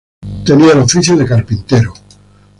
Tenía el oficio de carpintero.